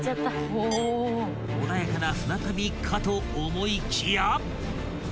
［穏やかな船旅かと思いきや］